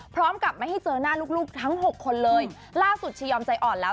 พร้อมกับไม่ให้เจอหน้าลูกลูกทั้งหกคนเลยล่าสุดชียอมใจอ่อนแล้ว